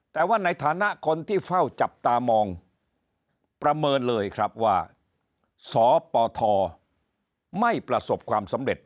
แต่ว่าในฐานะคนที่เฝ้าจับตามองประเมินเลยครับว่าสปทไม่ประสบความสำเร็จ